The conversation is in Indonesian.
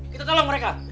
kita tolong mereka